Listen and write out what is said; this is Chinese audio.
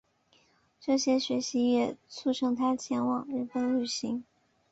这些学习也促成他前往日本旅行。